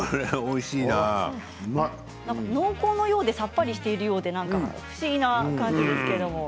濃厚なようでさっぱりしているような不思議な感じなんですけれど。